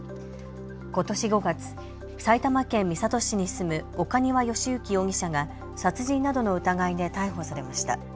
ことし５月、埼玉県三郷市に住む岡庭由征容疑者が殺人などの疑いで逮捕されました。